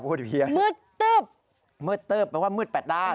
มืดตึ๊บหมายความว่ามืดปัดด้าน